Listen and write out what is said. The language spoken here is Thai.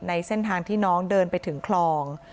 ในเส้นทางที่น้องเดินไปถึงคลอง